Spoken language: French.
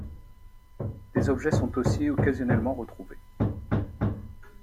Des objets sont aussi occasionnellement retrouvés.